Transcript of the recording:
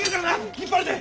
引っ張るで！